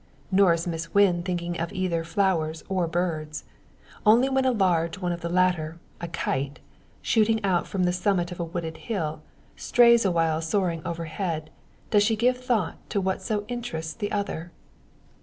Nor is Miss Wynn thinking of either flowers, or birds. Only when a large one of the latter a kite shooting out from the summit of a wooded hill, stays awhile soaring overhead, does she give thought to what so interests the other.